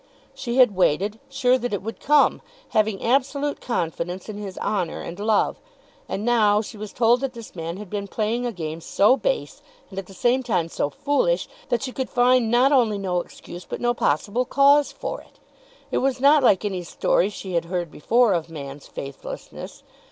She had waited, sure that it would come, having absolute confidence in his honour and love. And now she was told that this man had been playing a game so base, and at the same time so foolish, that she could find not only no excuse but no possible cause for it. It was not like any story she had heard before of man's faithlessness.